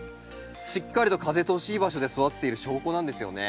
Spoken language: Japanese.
しっかりと風通しいい場所で育てている証拠なんですね。